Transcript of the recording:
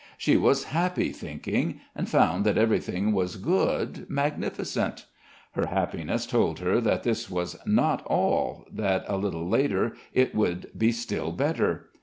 She was happy thinking, and found that everything was good, magnificent. Her happiness told her that this was not all, that a little later it would be still better.